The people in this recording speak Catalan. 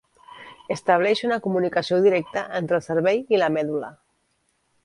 Estableix una comunicació directa entre el cervell i la medul·la.